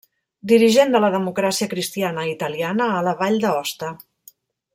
Dirigent de la Democràcia Cristiana Italiana a la Vall d'Aosta.